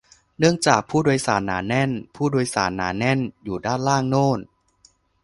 เนื่องจาก "ผู้โดยสาร" หนาแน่น "ผู้โดยสาร" หนาแน่นอยู่ด้านล่างโน่น